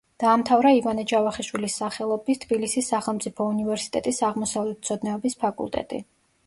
დაამთავრა ივანე ჯავახიშვილის სახელობის თბილისის სახელმწიფო უნივერსიტეტის აღმოსავლეთმცოდნეობის ფაკულტეტი.